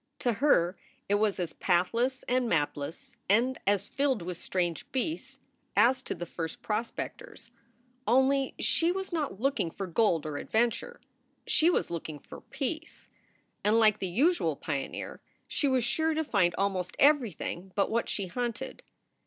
To her it was as pathless and mapless and as filled with strange beasts as to the first prospectors. Only, she was not looking for gold or adven ture. She was looking for peace. And, like the usual pio neer, she was sure to find almost everything but what she hunted.